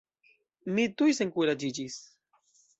Mi tuj senkuraĝiĝis.